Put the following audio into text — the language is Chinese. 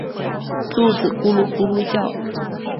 肚子咕噜咕噜叫